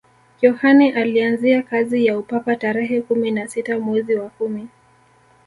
yohane alianzia kazi ya upapa tarehe kumi na sita mwezi wa kumi